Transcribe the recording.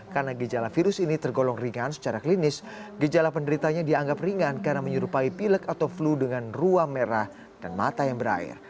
karena gejala virus ini tergolong ringan secara klinis gejala penderitanya dianggap ringan karena menyerupai pilek atau flu dengan ruang merah dan mata yang berair